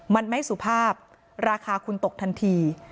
มันไม่สุภาพราคาคุณตกทันที